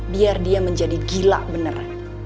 biar dia menjadi gila bener